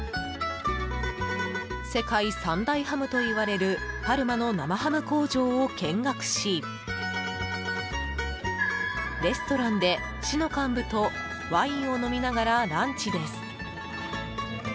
世界三大ハムといわれるパルマの生ハム工場を見学しレストランで市の幹部とワインを飲みながらランチです。